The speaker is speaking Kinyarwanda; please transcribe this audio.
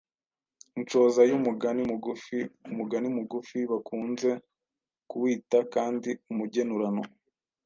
Inshoza y’umugani mugufiUmugani mugufi bakunze kuwita kandi umugenurano.